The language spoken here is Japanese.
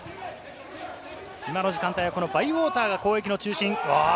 今の時間帯はバイウォーターが攻撃の中心。